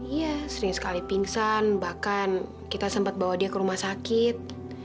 iya sering sekali pingsan bahkan kita sempat bawa dia ke rumah sakit